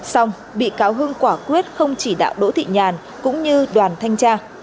xong bị cáo hưng quả quyết không chỉ đạo đỗ thị nhàn cũng như đoàn thanh tra